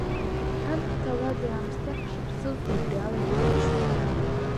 Ҳарҭ ҭауади-аамсҭеи ҳашԥсыз убри алагьы иҩашьом.